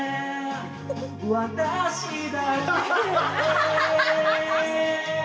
「私だけ」